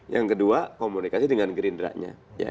yang kedua komunikasi dengan gerindra nya